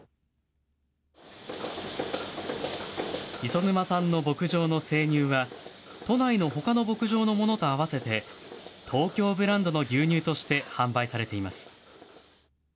磯沼さんの牧場の生乳は、都内のほかの牧場のものと合わせて、東京ブランドの牛乳として販売されています。